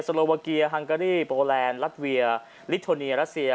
โลวาเกียฮังการีโปแลนด์รัฐเวียลิโทเนียรัสเซีย